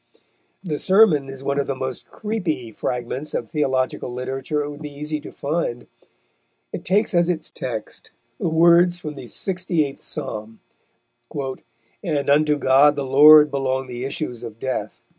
The sermon is one of the most "creepy" fragments of theological literature it would be easy to find. It takes as its text the words from the sixty eighth Psalm: "And unto God the Lord belong the issues of death."